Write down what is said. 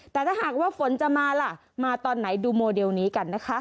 แต่ถ้าหากว่าฝนจะมาล่ะมาตอนไหนดูโมเดลนี้กันนะคะ